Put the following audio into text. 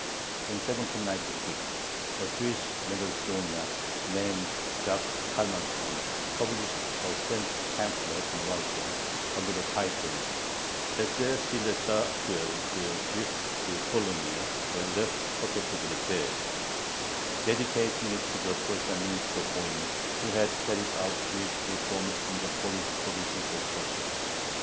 In 1796 a Jewish Mendelssohnian named Jacques Kalmansohn published a French pamphlet in Warsaw, under the title Essai sur l'état actuel des Juifs de Pologne et leur perfectibilité, dedicating it to the Prussian Minister Hoym, who had carried out Jewish reforms in the Polish provinces of Prussia.